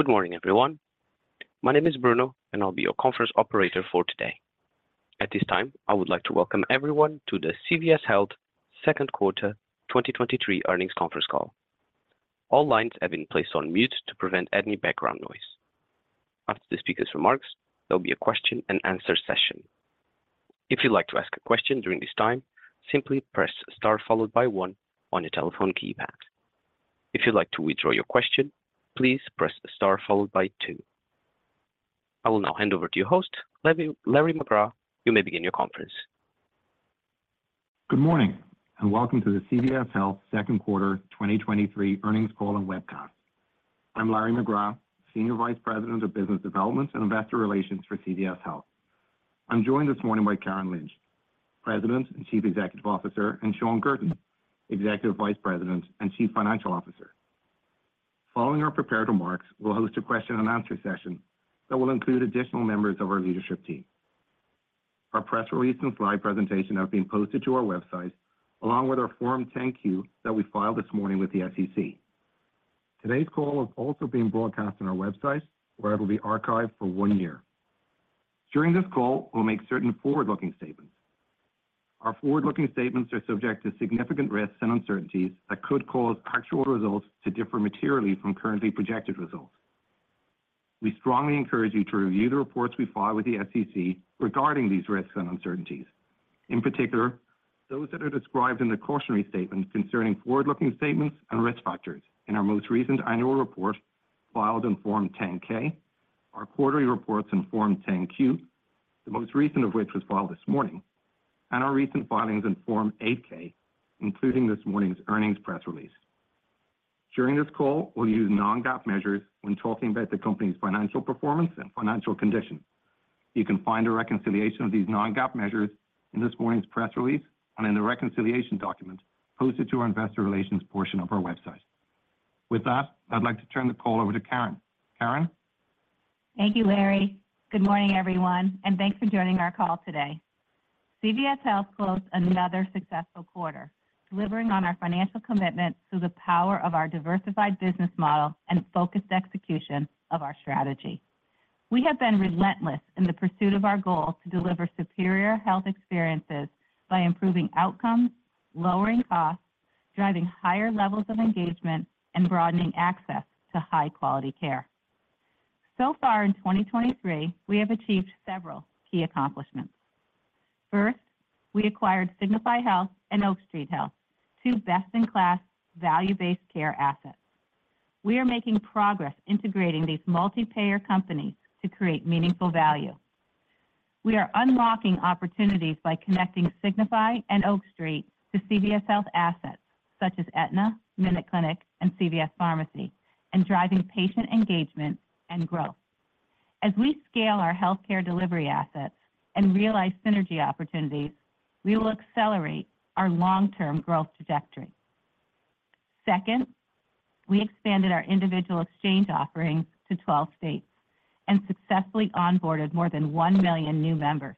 Good morning, everyone. My name is Bruno, and I'll be your conference operator for today. At this time, I would like to welcome everyone to the CVS Health Second Quarter 2023 Earnings Conference Call. All lines have been placed on mute to prevent any background noise. After the speaker's remarks, there'll be a question-and-answer session. If you'd like to ask a question during this time, simply press Star followed by one on your telephone keypad. If you'd like to withdraw your question, please press Star followed by two. I will now hand over to you, host, Larry, Larry McGrath. You may begin your conference. Good morning, and welcome to the CVS Health Second Quarter 2023 Earnings Call and Webcast. I'm Larry McGrath, Senior Vice President of Business Development and Investor Relations for CVS Health. I'm joined this morning by Karen Lynch, President and Chief Executive Officer, and Shawn Guertin, Executive Vice President and Chief Financial Officer. Following our prepared remarks, we'll host a question-and-answer session that will include additional members of our leadership team. Our press release and slide presentation have been posted to our website, along with our Form 10-Q that we filed this morning with the SEC. Today's call is also being broadcast on our website, where it will be archived for 1 year. During this call, we'll make certain forward-looking statements. Our forward-looking statements are subject to significant risks and uncertainties that could cause actual results to differ materially from currently projected results. We strongly encourage you to review the reports we file with the SEC regarding these risks and uncertainties, in particular, those that are described in the cautionary statements concerning forward-looking statements and risk factors in our most recent annual report filed in Form 10-K, our quarterly reports in Form 10-Q, the most recent of which was filed this morning, and our recent filings in Form 8-K, including this morning's earnings press release. During this call, we'll use non-GAAP measures when talking about the company's financial performance and financial condition. You can find a reconciliation of these non-GAAP measures in this morning's press release and in the reconciliation document posted to our investor relations portion of our website. With that, I'd like to turn the call over to Karen. Karen? Thank you, Larry. Good morning, everyone, and thanks for joining our call today. CVS Health closed another successful quarter, delivering on our financial commitment through the power of our Diversified business model and focused execution of our strategy. We have been relentless in the pursuit of our goal to deliver superior health experiences by improving outcomes, lowering costs, driving higher levels of engagement, and broadening access to high-quality care. Far in 2023, we have achieved several key accomplishments. First, we acquired Signify Health and Oak Street Health, two best-in-class, value-based care assets. We are making progress integrating these multi-payer companies to create meaningful value. We are unlocking opportunities by connecting Signify and Oak Street to CVS Health assets such as Aetna, MinuteClinic, and CVS Pharmacy, and driving patient engagement and growth. As we scale our healthcare delivery assets and realize synergy opportunities, we will accelerate our long-term growth trajectory. Second, we expanded our individual exchange offerings to 12 states and successfully onboarded more than 1 million new members.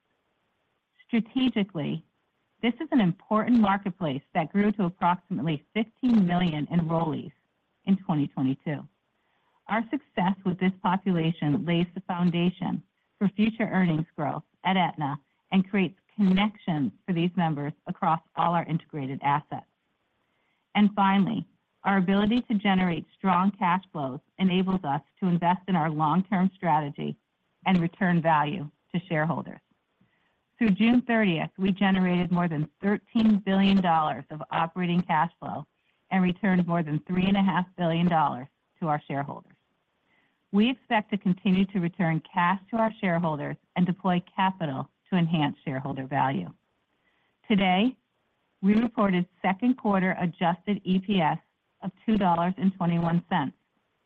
Strategically, this is an important marketplace that grew to approximately 15 million enrollees in 2022. Our success with this population lays the foundation for future earnings growth at Aetna and creates connections for these members across all our integrated assets. Finally, our ability to generate strong cash flows enables us to invest in our long-term strategy and return value to shareholders. Through June 30th, we generated more than $13 billion of operating cash flow and returned more than $3.5 billion to our shareholders. We expect to continue to return cash to our shareholders and deploy capital to enhance shareholder value. Today, we reported second quarter Adjusted EPS of $2.21,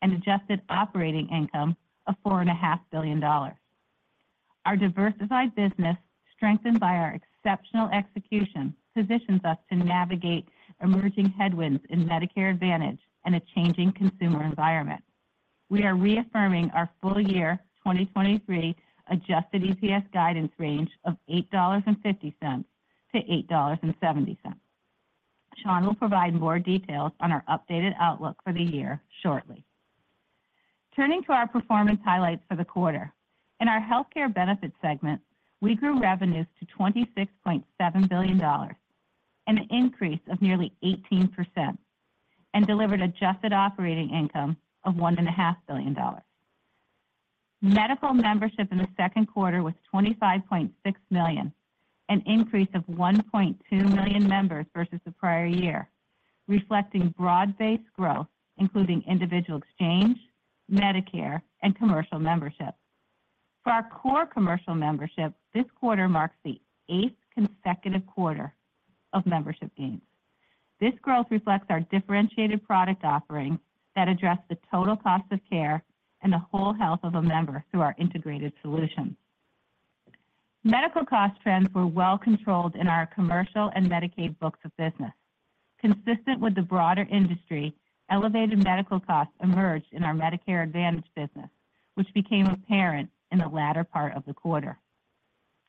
and adjusted operating income of $4.5 billion. Our Diversified business, strengthened by our exceptional execution, positions us to navigate emerging headwinds in Medicare Advantage and a changing consumer environment. We are reaffirming our full year 2023 Adjusted EPS guidance range of $8.50-$8.70. Shawn will provide more details on our updated outlook for the year shortly. Turning to our performance highlights for the quarter. In our Healthcare Benefit segment, we grew revenues to $26.7 billion, an increase of nearly 18%, and delivered adjusted operating income of $1.5 billion. Medical membership in the 2Q was 25.6 million, an increase of 1.2 million members versus the prior year, reflecting broad-based growth, including individual exchange, Medicare, and commercial membership. For our core commercial membership, this quarter marks the 8th consecutive quarter of membership gains. This growth reflects our differentiated product offerings that address the total cost of care and the whole health of a member through our integrated solutions. Medical cost trends were well controlled in our commercial and Medicaid books of business. Consistent with the broader industry, elevated medical costs emerged in our Medicare Advantage business, which became apparent in the latter part of the quarter.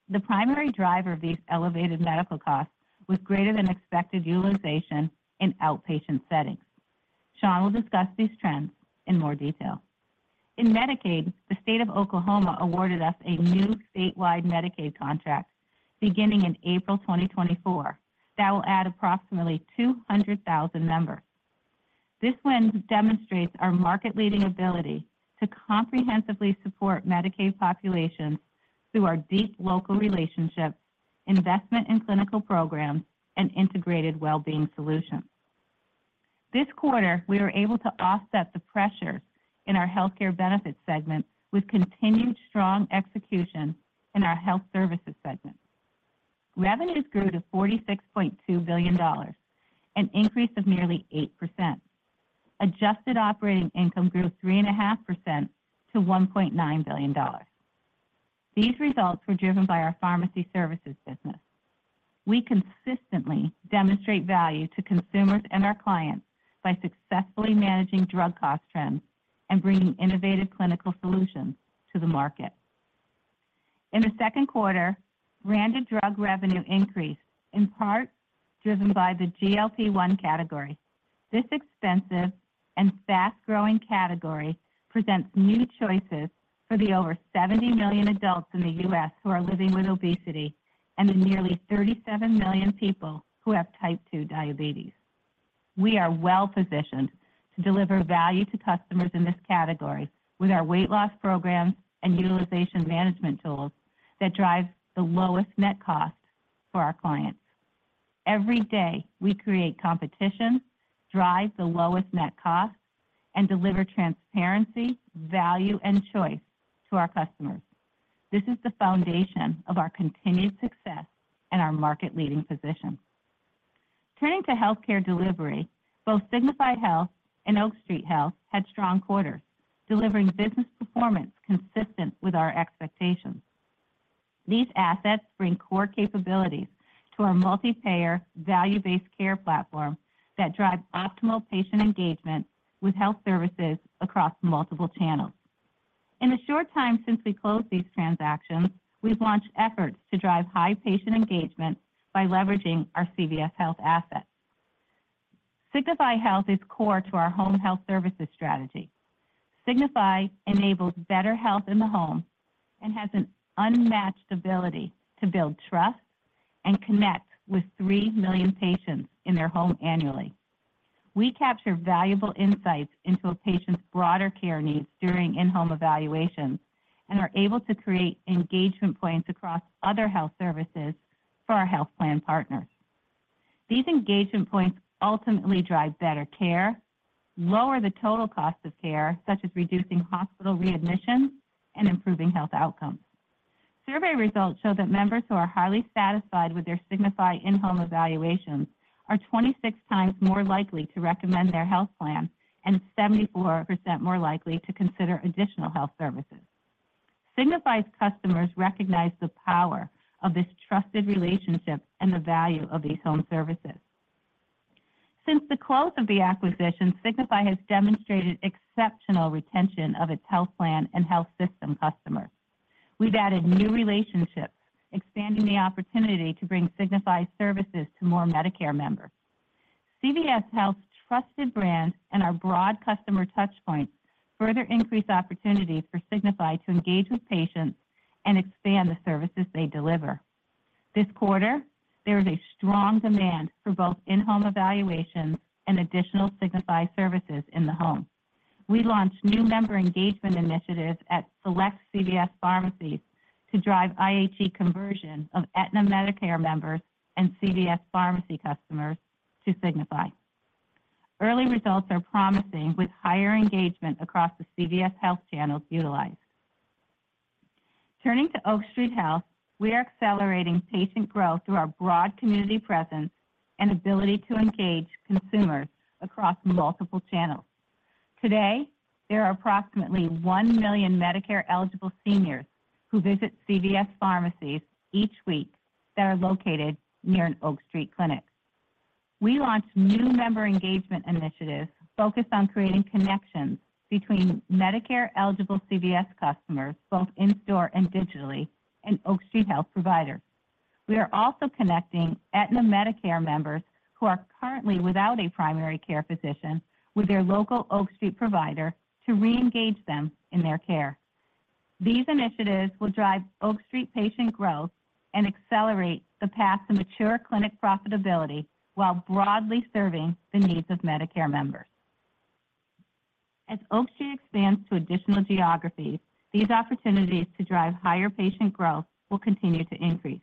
The primary driver of these elevated medical costs was greater than expected utilization in outpatient settings. Shawn will discuss these trends in more detail. In Medicaid, the State of Oklahoma awarded us a new statewide Medicaid contract beginning in April 2024, that will add approximately 200,000 members. This win demonstrates our market-leading ability to comprehensively support Medicaid populations through our deep local relationships, investment in clinical programs, and integrated well-being solutions. This quarter, we were able to offset the pressure in our Healthcare Benefit segment with continued strong execution in our Health Services segment. Revenues grew to $46.2 billion, an increase of nearly 8%. Adjusted operating income grew 3.5% to $1.9 billion. These results were driven by our Pharmacy Services business. We consistently demonstrate value to consumers and our clients by successfully managing drug cost trends and bringing innovative clinical solutions to the market. In the second quarter, branded drug revenue increased, in part driven by the GLP-1 category. This expensive and fast-growing category presents new choices for the over 70 million adults in the U.S. who are living with obesity and the nearly 37 million people who have type 2 diabetes. We are well positioned to deliver value to customers in this category with our weight loss programs and utilization management tools that drive the lowest net cost for our clients. Every day, we create competition, drive the lowest net cost, and deliver transparency, value, and choice to our customers. This is the foundation of our continued success and our market-leading position. Turning to healthcare delivery, both Signify Health and Oak Street Health had strong quarters, delivering business performance consistent with our expectations. These assets bring core capabilities to our multi-payer, value-based care platform that drive optimal patient engagement with Health Services across multiple channels. In the short time since we closed these transactions, we've launched efforts to drive high patient engagement by leveraging our CVS Health assets. Signify Health is core to our home Health Services strategy. Signify enables better health in the home and has an unmatched ability to build trust and connect with 3 million patients in their home annually. We capture valuable insights into a patient's broader care needs during in-home evaluations and are able to create engagement points across other Health Services for our health plan partners. These engagement points ultimately drive better care, lower the total cost of care, such as reducing hospital readmissions, and improving health outcomes. Survey results show that members who are highly satisfied with their Signify in-home evaluations are 26 times more likely to recommend their health plan and 74% more likely to consider additional Health Services. Signify's customers recognize the power of this trusted relationship and the value of these home services. Since the close of the acquisition, Signify has demonstrated exceptional retention of its health plan and health system customers. We've added new relationships, expanding the opportunity to bring Signify's services to more Medicare members. CVS Health's trusted brand and our broad customer touchpoints further increase opportunities for Signify to engage with patients and expand the services they deliver. This quarter, there is a strong demand for both in-home evaluations and additional Signify services in the home. We launched new member engagement initiatives at select CVS pharmacies to drive IHE conversion of Aetna Medicare members and CVS Pharmacy customers to Signify. Early results are promising, with higher engagement across the CVS Health channels utilized. Turning to Oak Street Health, we are accelerating patient growth through our broad community presence and ability to engage consumers across multiple channels. Today, there are approximately 1 million Medicare-eligible seniors who visit CVS pharmacies each week that are located near an Oak Street clinic. We launched new member engagement initiatives focused on creating connections between Medicare-eligible CVS customers, both in-store and digitally, and Oak Street Health providers. We are also connecting Aetna Medicare members who are currently without a primary care physician with their local Oak Street provider to reengage them in their care. These initiatives will drive Oak Street patient growth and accelerate the path to mature clinic profitability while broadly serving the needs of Medicare members. As Oak Street expands to additional geographies, these opportunities to drive higher patient growth will continue to increase.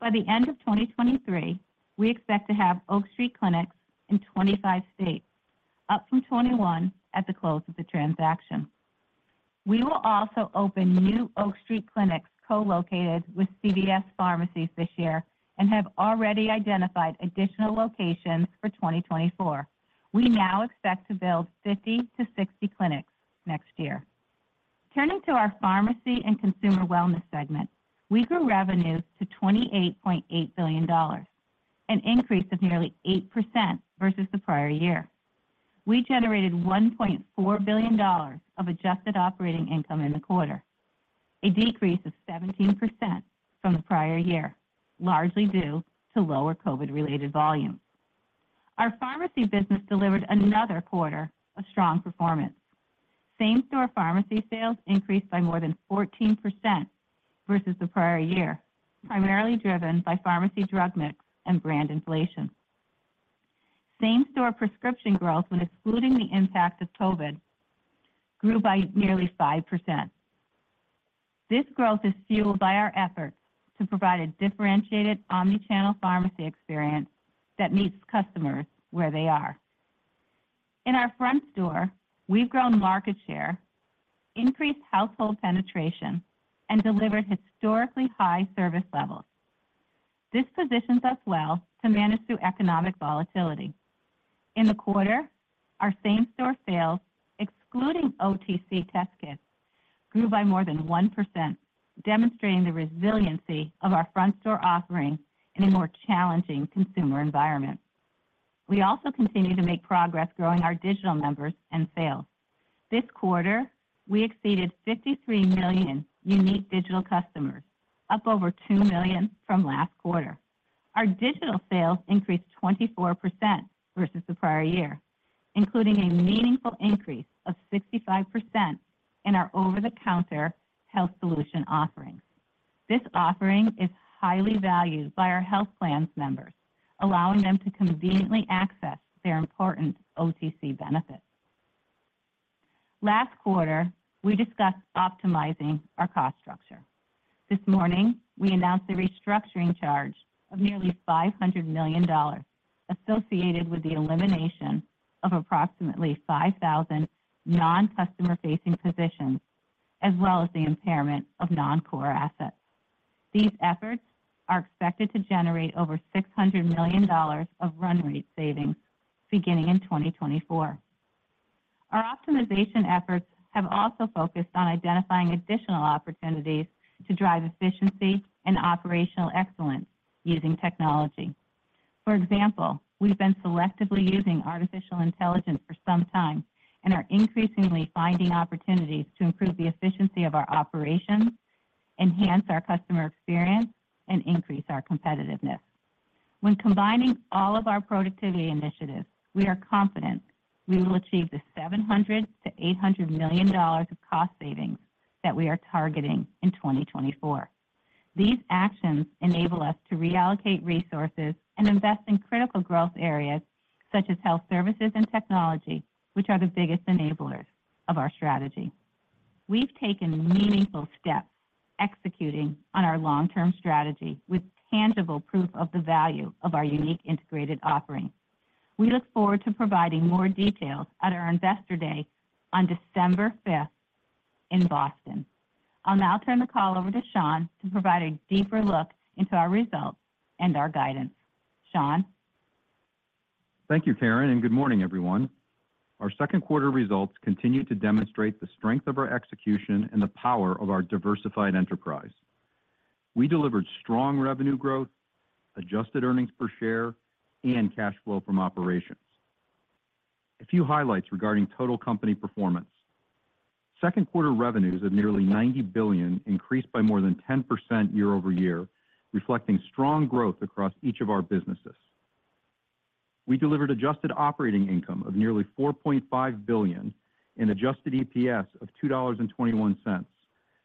By the end of 2023, we expect to have Oak Street clinics in 25 states, up from 21 at the close of the transaction. We will also open new Oak Street clinics co-located with CVS pharmacies this year and have already identified additional locations for 2024. We now expect to build 50-60 clinics next year. Turning to our Pharmacy and Consumer Wellness segment, we grew revenues to $28.8 billion, an increase of nearly 8% versus the prior year. We generated $1.4 billion of adjusted operating income in the quarter, a decrease of 17% from the prior year, largely due to lower COVID-related volumes. Our Pharmacy business delivered another quarter of strong performance. Same-store pharmacy sales increased by more than 14% versus the prior year, primarily driven by pharmacy drug mix and brand inflation. Same-store prescription growth, when excluding the impact of COVID, grew by nearly 5%. This growth is fueled by our efforts to provide a differentiated omni-channel pharmacy experience that meets customers where they are. In our Front Store, we've grown market share, increased household penetration, and delivered historically high service levels. This positions us well to manage through economic volatility. In the quarter, our same-store sales, excluding OTC test kits, grew by more than 1%, demonstrating the resiliency of our Front Store offering in a more challenging consumer environment. We also continue to make progress growing our digital members and sales. This quarter, we exceeded 53 million unique digital customers, up over 2 million from last quarter. Our digital sales increased 24% versus the prior year, including a meaningful increase of 65% in our over-the-counter health solution offerings. This offering is highly valued by our health plans members, allowing them to conveniently access their important OTC benefits. Last quarter, we discussed optimizing our cost structure. This morning, we announced a restructuring charge of nearly $500 million, associated with the elimination of approximately 5,000 non-customer-facing positions, as well as the impairment of non-core assets. These efforts are expected to generate over $600 million of run rate savings beginning in 2024. Our optimization efforts have also focused on identifying additional opportunities to drive efficiency and operational excellence using technology. For example, we've been selectively using artificial intelligence for some time and are increasingly finding opportunities to improve the efficiency of our operations, enhance our customer experience, and increase our competitiveness. When combining all of our productivity initiatives, we are confident we will achieve the $700 million-$800 million of cost savings that we are targeting in 2024. These actions enable us to reallocate resources and invest in critical growth areas such as Health Services and Technology, which are the biggest enablers of our strategy. We've taken meaningful steps executing on our long-term strategy with tangible proof of the value of our unique integrated offerings. We look forward to providing more details at our Investor Day on December fifth in Boston. I'll now turn the call over to Shawn to provide a deeper look into our results and our guidance. Shawn? Thank you, Karen, and good morning, everyone. Our second quarter results continue to demonstrate the strength of our execution and the power of our diversified enterprise. We delivered strong revenue growth, Adjusted EPS, and cash flow from operations. A few highlights regarding total company performance. Second quarter revenues of nearly $90 billion increased by more than 10% year-over-year, reflecting strong growth across each of our businesses. We delivered adjusted operating income of nearly $4.5 billion and Adjusted EPS of $2.21,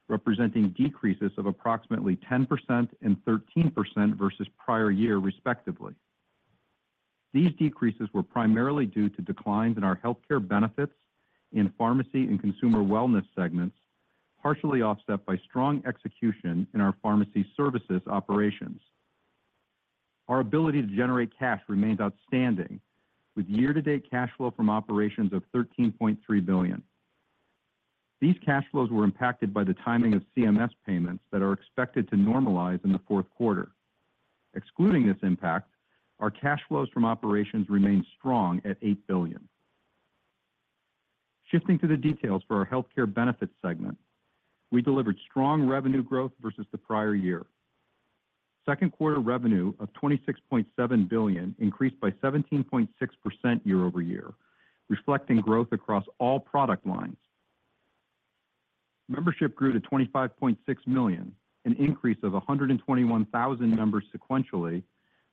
representing decreases of approximately 10% and 13% versus prior year, respectively. These decreases were primarily due to declines in our Healthcare Benefits in Pharmacy and Consumer Wellness segments, partially offset by strong execution in our Pharmacy Services operations. Our ability to generate cash remains outstanding, with year-to-date cash flow from operations of $13.3 billion. These cash flows were impacted by the timing of CMS payments that are expected to normalize in the fourth quarter. Excluding this impact, our cash flows from operations remain strong at $8 billion. Shifting to the details for our Healthcare Benefits segment, we delivered strong revenue growth versus the prior year. Second quarter revenue of $26.7 billion increased by 17.6% year-over-year, reflecting growth across all product lines. Membership grew to 25.6 million, an increase of 121,000 members sequentially,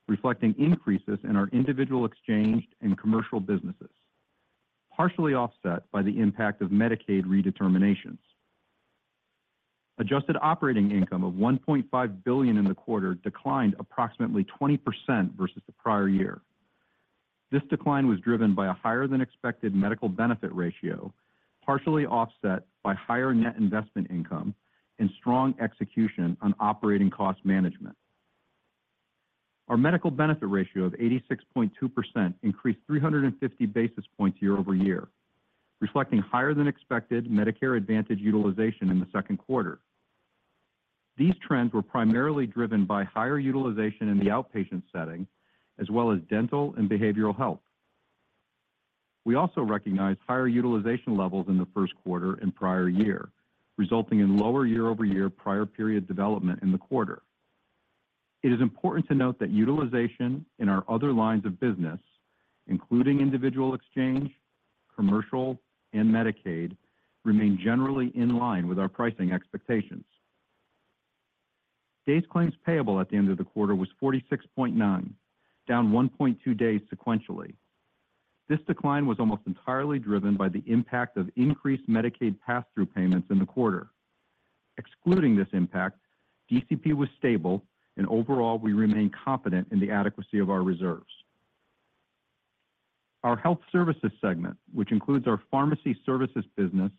reflecting increases in our individual exchange and commercial businesses, partially offset by the impact of Medicaid redeterminations. Adjusted operating income of $1.5 billion in the quarter declined approximately 20% versus the prior year. This decline was driven by a higher than expected Medical Benefit Ratio, partially offset by higher net investment income and strong execution on operating cost management. Our Medical Benefit Ratio of 86.2% increased 350 basis points year-over-year, reflecting higher than expected Medicare Advantage utilization in the second quarter. These trends were primarily driven by higher utilization in the outpatient setting, as well as dental and behavioral health. We also recognized higher utilization levels in the first quarter and prior year, resulting in lower year-over-year prior period development in the quarter. It is important to note that utilization in our other lines of business, including individual exchange, commercial, and Medicaid, remain generally in line with our pricing expectations. Days Claims Payable at the end of the quarter was 46.9, down 1.2 days sequentially. This decline was almost entirely driven by the impact of increased Medicaid passthrough payments in the quarter. Excluding this impact, DCP was stable, and overall, we remain confident in the adequacy of our reserves. Our Health Services segment, which includes our Pharmacy Services business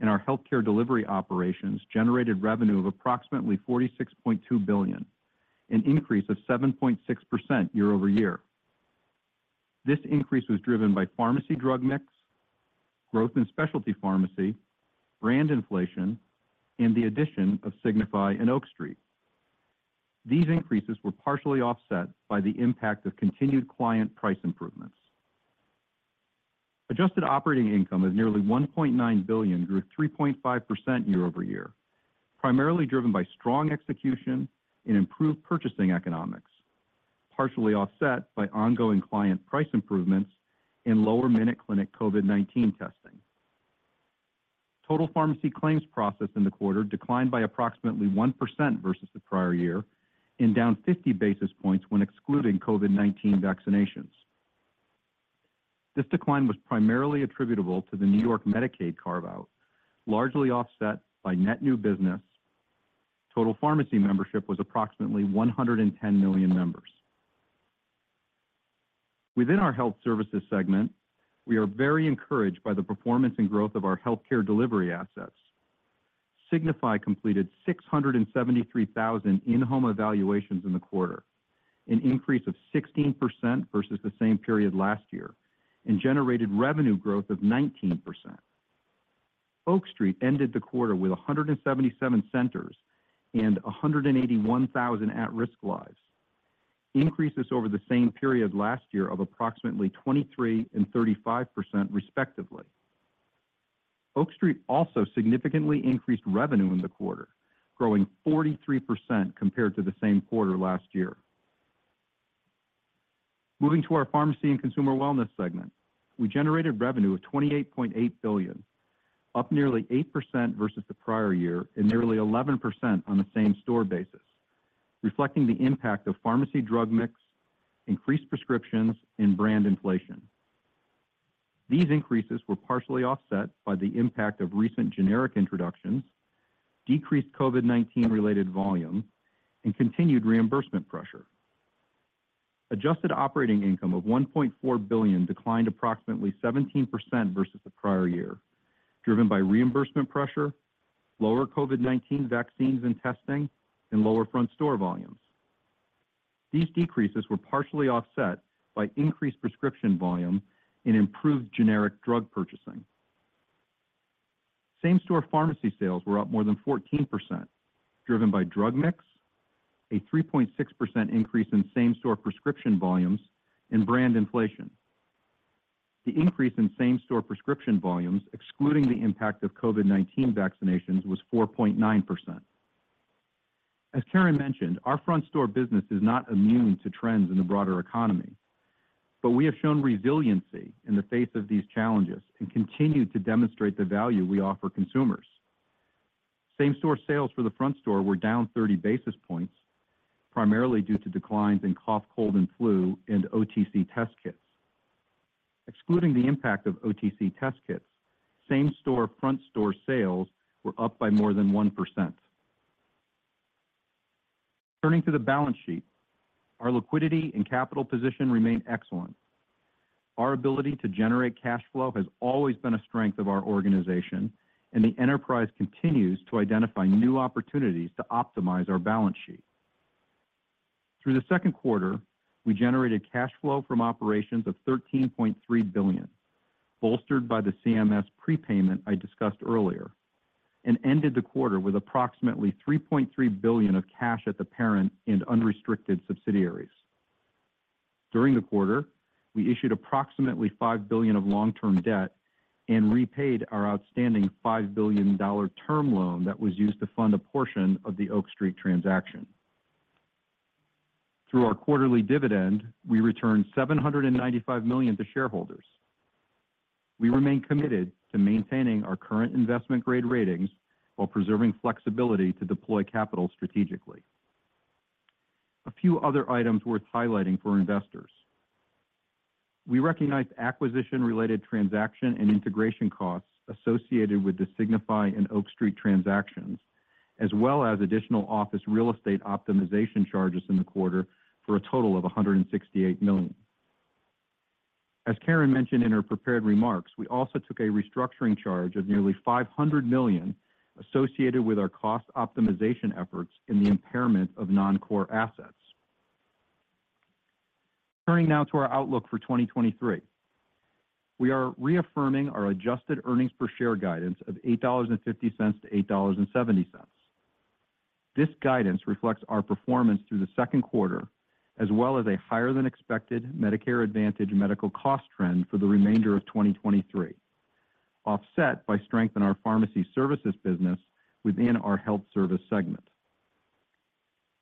and our healthcare delivery operations, generated revenue of approximately $46.2 billion, an increase of 7.6% year-over-year. This increase was driven by pharmacy drug mix, growth in specialty pharmacy, brand inflation, and the addition of Signify and Oak Street. These increases were partially offset by the impact of continued client price improvements. Adjusted operating income of nearly $1.9 billion, grew 3.5% year-over-year, primarily driven by strong execution and improved purchasing economics, partially offset by ongoing client price improvements and lower MinuteClinic COVID-19 testing. Total pharmacy claims processed in the quarter declined by approximately 1% versus the prior year and down 50 basis points when excluding COVID-19 vaccinations. This decline was primarily attributable to the New York Medicaid carve-out, largely offset by net new business. Total pharmacy membership was approximately 110 million members. Within our Health Services segment, we are very encouraged by the performance and growth of our healthcare delivery assets. Signify completed 673,000 in-home evaluations in the quarter, an increase of 16% versus the same period last year, and generated revenue growth of 19%. Oak Street ended the quarter with 177 centers and 181,000 at-risk lives, increases over the same period last year of approximately 23% and 35% respectively. Oak Street also significantly increased revenue in the quarter, growing 43% compared to the same quarter last year. Moving to our Pharmacy and Consumer Wellness segment, we generated revenue of $28.8 billion, up nearly 8% versus the prior year and nearly 11% on a same-store basis, reflecting the impact of pharmacy drug mix, increased prescriptions, and brand inflation. These increases were partially offset by the impact of recent generic introductions, decreased COVID-19 related volume, and continued reimbursement pressure. Adjusted operating income of $1.4 billion declined approximately 17% versus the prior year, driven by reimbursement pressure, lower COVID-19 vaccines and testing, and lower Front Store volumes. These decreases were partially offset by increased prescription volume and improved generic drug purchasing. Same-store pharmacy sales were up more than 14%, driven by drug mix, a 3.6% increase in same-store prescription volumes, and brand inflation. The increase in same-store prescription volumes, excluding the impact of COVID-19 vaccinations, was 4.9%. As Karen mentioned, our Front Store business is not immune to trends in the broader economy, but we have shown resiliency in the face of these challenges and continued to demonstrate the value we offer consumers. Same-store sales for the Front Store were down 30 basis points, primarily due to declines in cough, cold, and flu, and OTC test kits. Excluding the impact of OTC test kits, same-store Front Store sales were up by more than 1%. Turning to the balance sheet, our liquidity and capital position remain excellent. Our ability to generate cash flow has always been a strength of our organization, and the enterprise continues to identify new opportunities to optimize our balance sheet. Through the second quarter, we generated cash flow from operations of $13.3 billion, bolstered by the CMS prepayment I discussed earlier, and ended the quarter with approximately $3.3 billion of cash at the parent and unrestricted subsidiaries. During the quarter, we issued approximately $5 billion of long-term debt and repaid our outstanding $5 billion term loan that was used to fund a portion of the Oak Street transaction. Through our quarterly dividend, we returned $795 million to shareholders. We remain committed to maintaining our current investment grade ratings while preserving flexibility to deploy capital strategically. A few other items worth highlighting for investors. We recognized acquisition-related transaction and integration costs associated with the Signify and Oak Street transactions, as well as additional office real estate optimization charges in the quarter for a total of $168 million. As Karen mentioned in her prepared remarks, we also took a restructuring charge of nearly $500 million associated with our cost optimization efforts in the impairment of non-core assets. Turning now to our outlook for 2023. We are reaffirming our adjusted earnings per share guidance of $8.50-$8.70. This guidance reflects our performance through the second quarter, as well as a higher than expected Medicare Advantage medical cost trend for the remainder of 2023 offset by strength in our Pharmacy Services business within our Health Service segment.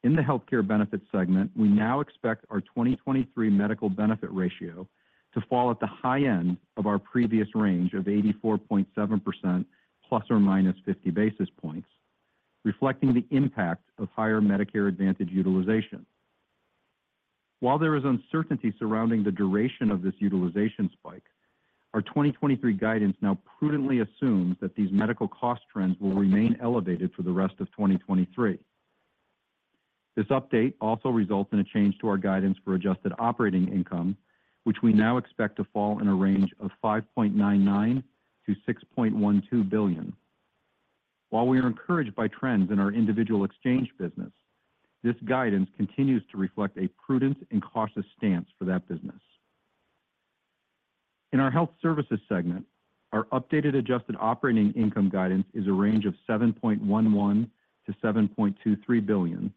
In the Healthcare Benefits segment, we now expect our 2023 medical benefit ratio to fall at the high end of our previous range of 84.7% ±50 basis points, reflecting the impact of higher Medicare Advantage utilization. While there is uncertainty surrounding the duration of this utilization spike, our 2023 guidance now prudently assumes that these medical cost trends will remain elevated for the rest of 2023. This update also results in a change to our guidance for adjusted operating income, which we now expect to fall in a range of $5.99 billion-$6.12 billion. While we are encouraged by trends in our individual exchange business, this guidance continues to reflect a prudent and cautious stance for that business. In our Health Services segment, our updated adjusted operating income guidance is a range of $7.11 billion-$7.23 billion,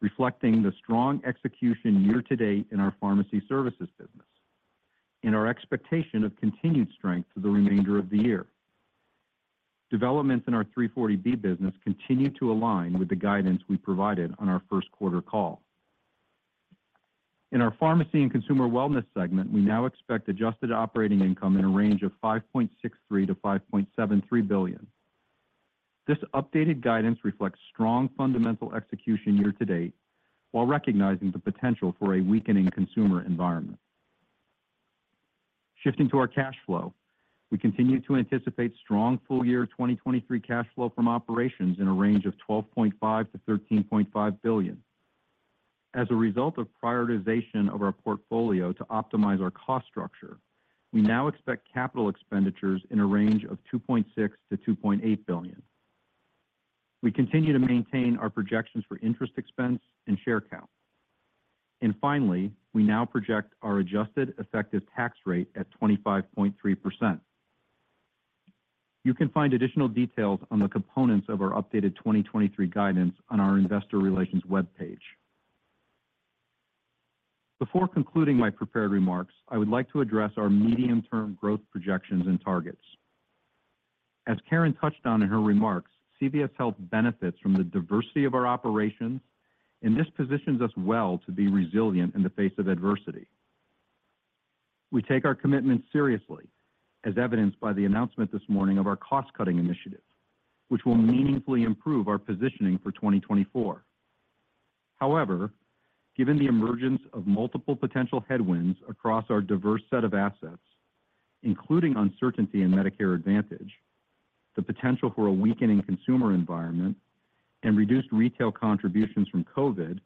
reflecting the strong execution year-to-date in our Pharmacy Services business and our expectation of continued strength for the remainder of the year. Developments in our 340B business continue to align with the guidance we provided on our first quarter call. In our Pharmacy and Consumer Wellness segment, we now expect adjusted operating income in a range of $5.63 billion-$5.73 billion. This updated guidance reflects strong fundamental execution year-to-date, while recognizing the potential for a weakening consumer environment. Shifting to our cash flow, we continue to anticipate strong full year 2023 cash flow from operations in a range of $12.5 billion-$13.5 billion. As a result of prioritization of our portfolio to optimize our cost structure, we now expect capital expenditures in a range of $2.6 billion-$2.8 billion. We continue to maintain our projections for interest expense and share count. Finally, we now project our adjusted effective tax rate at 25.3%. You can find additional details on the components of our updated 2023 guidance on our investor relations webpage. Before concluding my prepared remarks, I would like to address our medium-term growth projections and targets. As Karen touched on in her remarks, CVS Health benefits from the diversity of our operations. This positions us well to be resilient in the face of adversity. We take our commitment seriously, as evidenced by the announcement this morning of our cost-cutting initiative, which will meaningfully improve our positioning for 2024. However, given the emergence of multiple potential headwinds across our diverse set of assets, including uncertainty in Medicare Advantage, the potential for a weakening consumer environment, and reduced retail contributions from COVID,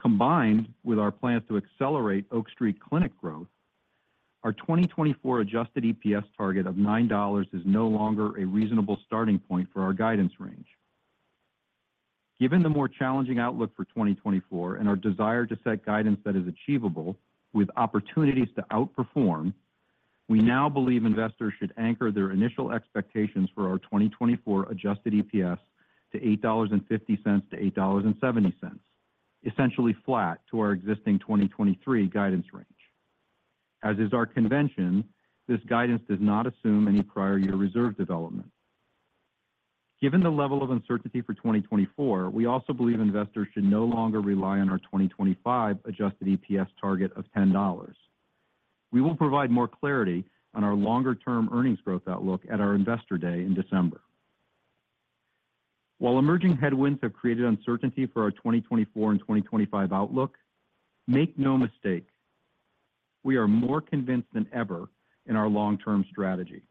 combined with our plans to accelerate Oak Street Clinic growth, our 2024 Adjusted EPS target of $9 is no longer a reasonable starting point for our guidance range. Given the more challenging outlook for 2024 and our desire to set guidance that is achievable with opportunities to outperform, we now believe investors should anchor their initial expectations for our 2024 Adjusted EPS to $8.50-$8.70, essentially flat to our existing 2023 guidance range. As is our convention, this guidance does not assume any prior year reserve development. Given the level of uncertainty for 2024, we also believe investors should no longer rely on our 2025 Adjusted EPS target of $10. We will provide more clarity on our longer-term earnings growth outlook at our Investor Day in December. While emerging headwinds have created uncertainty for our 2024 and 2025 outlook, make no mistake, we are more convinced than ever in our long-term strategy.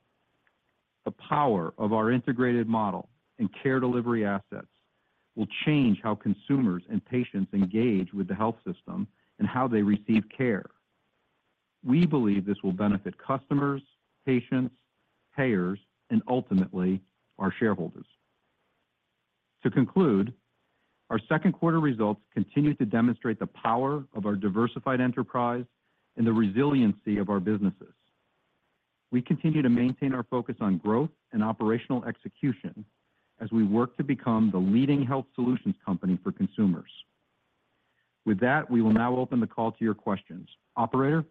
The power of our integrated model and care delivery assets will change how consumers and patients engage with the health system and how they receive care. We believe this will benefit customers, patients, payers, and ultimately, our shareholders. To conclude, our second quarter results continue to demonstrate the power of our diversified enterprise and the resiliency of our businesses. We continue to maintain our focus on growth and operational execution as we work to become the leading health solutions company for consumers. With that, we will now open the call to your questions. Operator?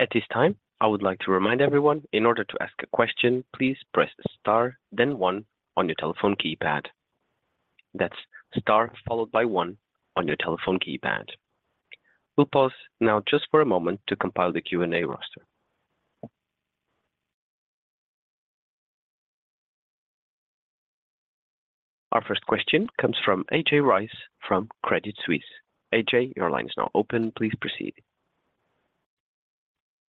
At this time, I would like to remind everyone, in order to ask a question, please press star, then one on your telephone keypad. That's star followed by one on your telephone keypad. We'll pause now just for a moment to compile the Q&A roster. Our first question comes from A.J. Rice from Credit Suisse. AJ, your line is now open. Please proceed.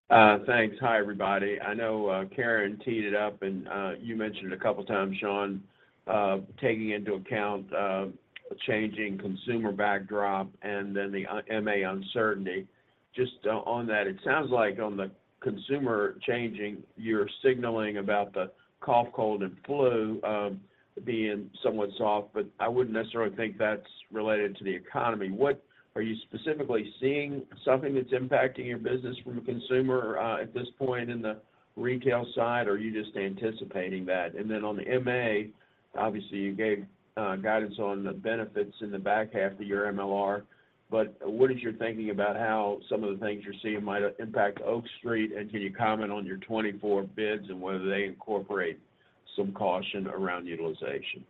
Thanks. Hi, everybody. I know Karen teed it up, and you mentioned it a couple of times, Shawn, taking into account changing consumer backdrop and then the MA uncertainty. Just on that, it sounds like on the consumer changing, you're signaling about the cough, cold, and flu being somewhat soft, but I wouldn't necessarily think that's related to the economy. Are you specifically seeing something that's impacting your business from a consumer at this point in the retail side, or are you just anticipating that? Then on the MA, obviously, you gave guidance on the benefits in the back half of your MLR, but what is your thinking about how some of the things you're seeing might impact Oak Street, and can you comment on your 24 bids and whether they incorporate? Some caution around utilization.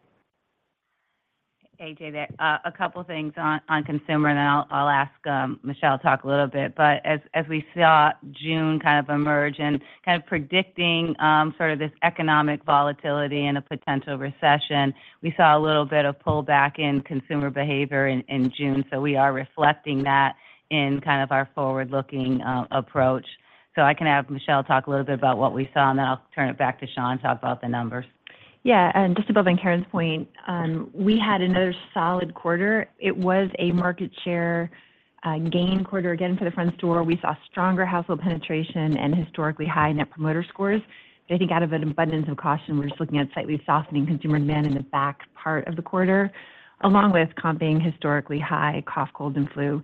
Hey, AJ, there a couple things on, on consumer, then I'll, I'll ask Michelle to talk a little bit. As, as we saw June kind of emerge and kind of predicting sort of this economic volatility and a potential recession, we saw a little bit of pull back in consumer behavior in, in June. We are reflecting that in kind of our forward-looking approach. I can have Michelle talk a little bit about what we saw, and then I'll turn it back to Shawn to talk about the numbers. Yeah, just to build on Karen's point, we had another solid quarter. It was a market share gain quarter again for the Front Store. We saw stronger household penetration and historically high Net Promoter Score. I think out of an abundance of caution, we're just looking at slightly softening consumer demand in the back part of the quarter, along with comping historically high cough, cold, and flu.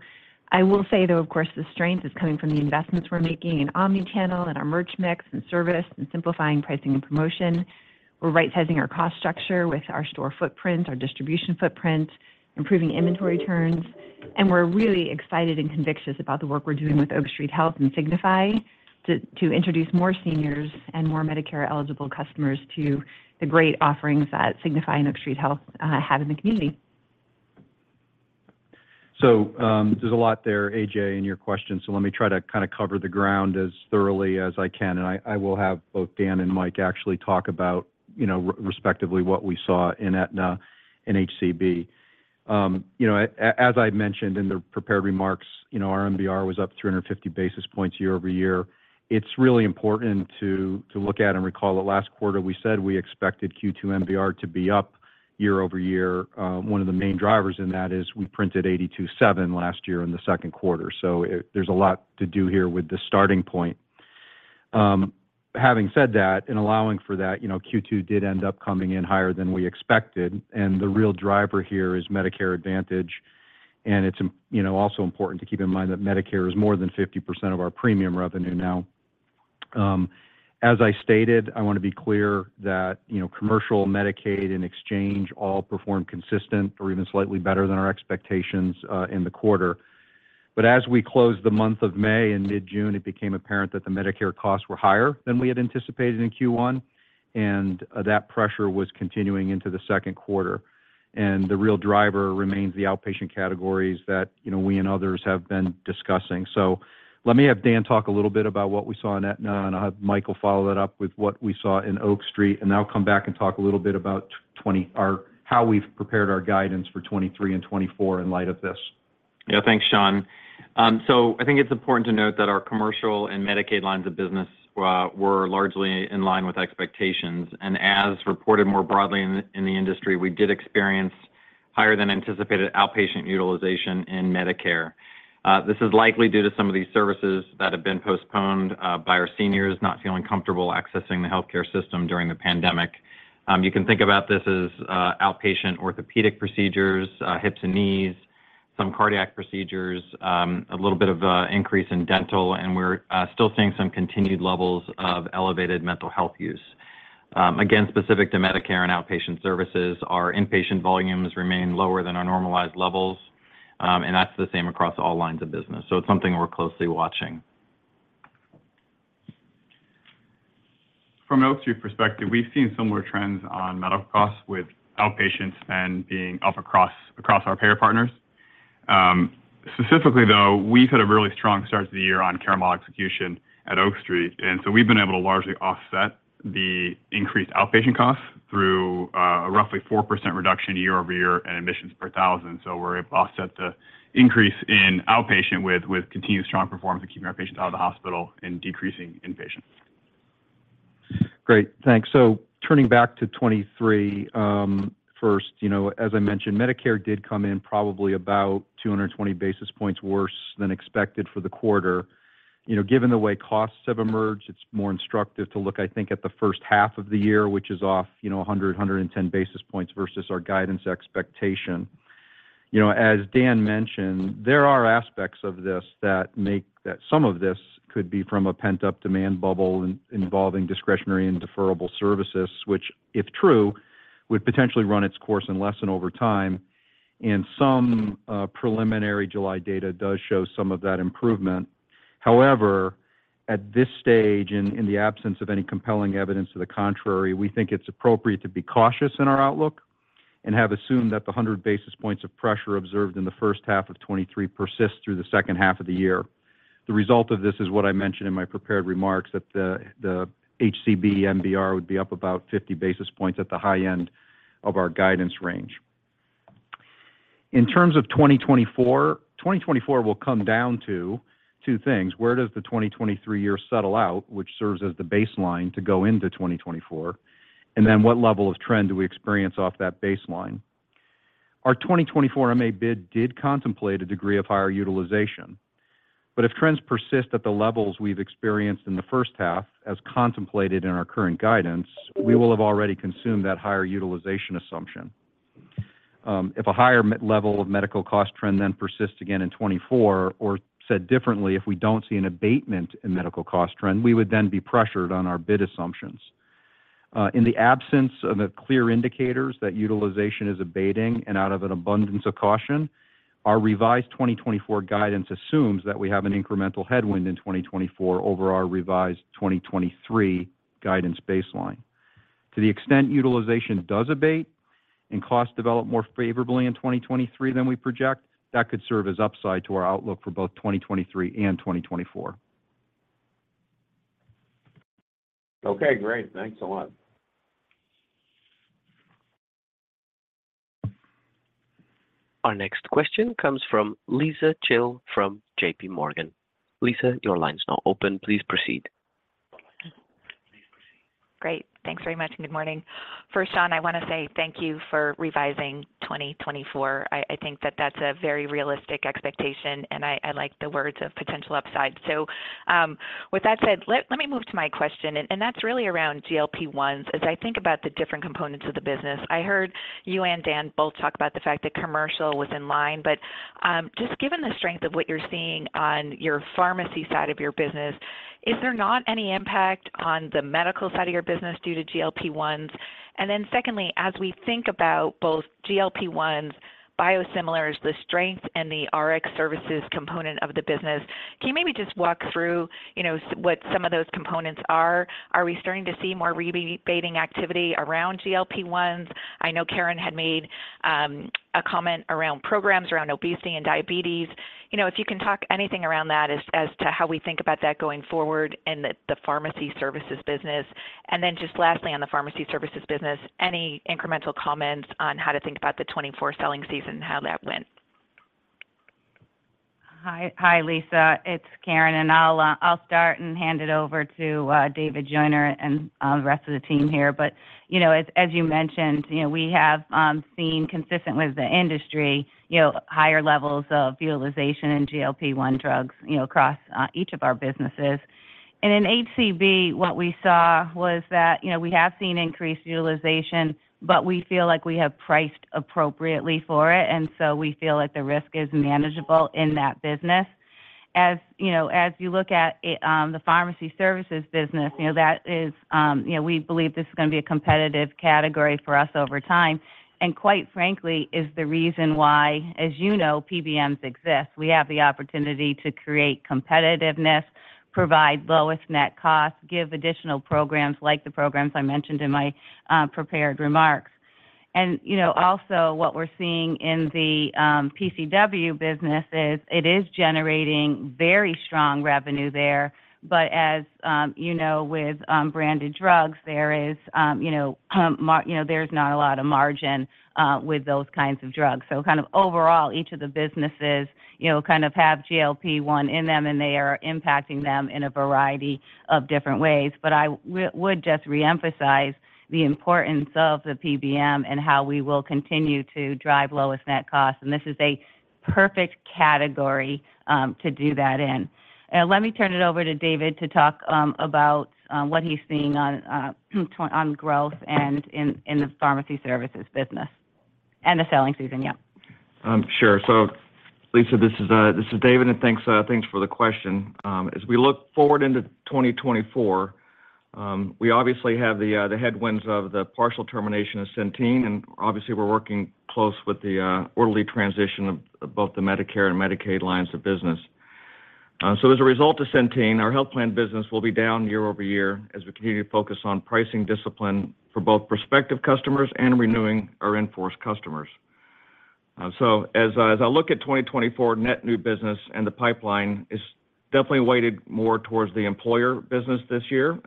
I will say, though, of course, the strength is coming from the investments we're making in omni-channel, and our merch mix, and service, and simplifying pricing and promotion. We're right-sizing our cost structure with our store footprint, our distribution footprint, improving inventory turns, and we're really excited and convicted about the work we're doing with Oak Street Health and Signify to, to introduce more seniors and more Medicare-eligible customers to the great offerings that Signify and Oak Street Health have in the community. There's a lot there, A.J., in your question, so let me try to kinda cover the ground as thoroughly as I can, and I, I will have both Dan and Mike actually talk about, you know, respectively, what we saw in Aetna and HCB. You know, as I mentioned in the prepared remarks, you know, our MBR was up 350 basis points year-over-year. It's really important to look at and recall that last quarter we said we expected Q2 MBR to be up year-over-year. One of the main drivers in that is we printed 82.7 last year in the second quarter, so there's a lot to do here with the starting point. Having said that, and allowing for that, you know, Q2 did end up coming in higher than we expected. The real driver here is Medicare Advantage. It's, you know, also important to keep in mind that Medicare is more than 50% of our premium revenue now. As I stated, I want to be clear that, you know, commercial, Medicaid, and exchange all performed consistent or even slightly better than our expectations in the quarter. As we closed the month of May and mid-June, it became apparent that the Medicare costs were higher than we had anticipated in Q1. That pressure was continuing into the second quarter. The real driver remains the outpatient categories that, you know, we and others have been discussing. Let me have Dan talk a little bit about what we saw in Aetna. I'll have Michael follow that up with what we saw in Oak Street. Then I'll come back and talk a little bit about how we've prepared our guidance for 2023 and 2024 in light of this. Yeah, thanks, Shawn. I think it's important to note that our commercial and Medicaid lines of business were largely in line with expectations. As reported more broadly in, in the industry, we did experience higher than anticipated outpatient utilization in Medicare. This is likely due to some of these services that have been postponed by our seniors not feeling comfortable accessing the healthcare system during the pandemic. You can think about this as outpatient orthopedic procedures, hips and knees, some cardiac procedures, a little bit of increase in dental, and we're still seeing some continued levels of elevated mental health use. Again, specific to Medicare and Outpatient services, our inpatient volumes remain lower than our normalized levels, and that's the same across all lines of business, so it's something we're closely watching. From an Oak Street perspective, we've seen similar trends on medical costs, with outpatient spend being up across our payer partners. Specifically, though, we've had a really strong start to the year on care model execution at Oak Street, and so we've been able to largely offset the increased outpatient costs through a roughly 4% reduction year-over-year in admissions per thousand. So we're able to offset the increase in outpatient with continued strong performance in keeping our patients out of the hospital and decreasing inpatient. Great, thanks. Turning back to 2023, first, you know, as I mentioned, Medicare did come in probably about 220 basis points worse than expected for the quarter. You know, given the way costs have emerged, it's more instructive to look, I think, at the first half of the year, which is off, you know, 100-110 basis points versus our guidance expectation. You know, as Dan mentioned, there are aspects of this that some of this could be from a pent-up demand bubble involving discretionary and deferrable services, which, if true, would potentially run its course and lessen over time, and some preliminary July data does show some of that improvement. However, at this stage, in, in the absence of any compelling evidence to the contrary, we think it's appropriate to be cautious in our outlook and have assumed that the 100 basis points of pressure observed in the first half of 2023 persist through the second half of the year. The result of this is what I mentioned in my prepared remarks, that the, the HCB MBR would be up about 50 basis points at the high end of our guidance range. In terms of 2024, 2024 will come down to two things: Where does the 2023 year settle out, which serves as the baseline to go into 2024, and then what level of trend do we experience off that baseline? Our 2024 MA bid did contemplate a degree of higher utilization, but if trends persist at the levels we've experienced in the first half, as contemplated in our current guidance, we will have already consumed that higher utilization assumption. If a higher level of medical cost trend then persists again in 2024, or said differently, if we don't see an abatement in medical cost trend, we would then be pressured on our bid assumptions. In the absence of the clear indicators that utilization is abating and out of an abundance of caution, our revised 2024 guidance assumes that we have an incremental headwind in 2024 over our revised 2023 guidance baseline.... To the extent utilization does abate and costs develop more favorably in 2023 than we project, that could serve as upside to our outlook for both 2023 and 2024. Okay, great. Thanks a lot. Our next question comes from Lisa Gill from JPMorgan. Lisa, your line is now open. Please proceed. Great. Thanks very much. Good morning. First, Shawn, I want to say thank you for revising 2024. I think that that's a very realistic expectation. I like the words of potential upside. With that said, let me move to my question, and that's really around GLP-1s. As I think about the different components of the business, I heard you and Dan both talk about the fact that commercial was in line, but just given the strength of what you're seeing on your pharmacy side of your business, is there not any impact on the medical side of your business due to GLP-1s? Then secondly, as we think about both GLP-1s, biosimilars, the strengths and the RX services component of the business, can you maybe just walk through, you know, so what some of those components are? Are we starting to see more rebating activity around GLP-1s? I know Karen had made a comment around programs, around obesity and diabetes. You know, if you can talk anything around that as to how we think about that going forward in the Pharmacy Services business. Just lastly, on the Pharmacy Services business, any incremental comments on how to think about the 2024 selling season, how that went? Hi, hi, Lisa Gill. It's Karen Lynch, and I'll start and hand it over to David Joyner and the rest of the team here. You know, as, as you mentioned, you know, we have seen consistent with the industry, you know, higher levels of utilization in GLP-1 drugs, you know, across each of our businesses. In HCB, what we saw was that, you know, we have seen increased utilization, but we feel like we have priced appropriately for it, and so we feel like the risk is manageable in that business. As, you know, as you look at the Pharmacy Services business, you know, that is, you know, we believe this is gonna be a competitive category for us over time, and quite frankly, is the reason why, as you know, PBMs exist. We have the opportunity to create competitiveness, provide lowest net costs, give additional programs like the programs I mentioned in my prepared remarks. You know, also what we're seeing in the PCW business is, it is generating very strong revenue there, but as, you know, with branded drugs, there is, you know, there's not a lot of margin with those kinds of drugs. Kind of overall, each of the businesses, you know, kind of have GLP-1 in them, and they are impacting them in a variety of different ways. I would just reemphasize the importance of the PBM and how we will continue to drive lowest net costs, and this is a perfect category to do that in. Let me turn it over to David to talk about what he's seeing on on growth and in in the Pharmacy Services business, and the selling season, yeah. Sure. Lisa, this is David, thanks for the question. As we look forward into 2024, we obviously have the headwinds of the partial termination of Centene. Obviously, we're working close with the orderly transition of both the Medicare and Medicaid lines of business. As a result of Centene, our Health Plan business will be down year-over-year as we continue to focus on pricing discipline for both prospective customers and renewing our in-force customers. As I look at 2024 net new business and the pipeline, it's definitely weighted more towards the employer business this year.